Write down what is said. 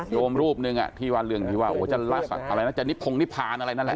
โยมรูปหนึ่งที่ว่าโอ้จะรักอะไรนะจะนิพงนิพานอะไรนั่นแหละ